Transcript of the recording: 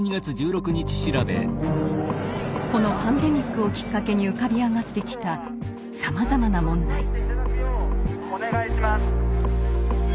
このパンデミックをきっかけに浮かび上がってきたさまざまな問題。